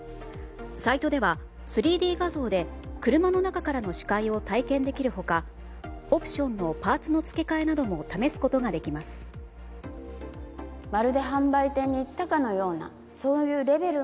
サイトでは３Ｄ画像で車の中からの視界を体験できる他オプションのパーツの付け替えなども試すことができます。